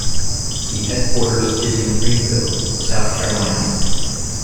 The headquarters is in Greenville, South Carolina.